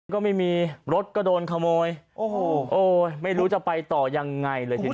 ก็ไม่มีรถก็โดนขโมยโอ้โหไม่รู้จะไปต่อยังไงเลยทีเดียว